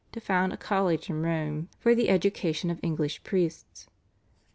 to found a college in Rome for the education of English priests.